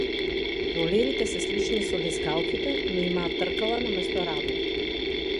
Ролерите се слични со лизгалките, но имаат тркала наместо рабови.